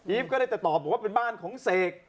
อีฟก็ได้แต่ตอบว่าเป็นบ้านของเศษ